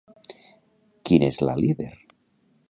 Qui n'és la líder?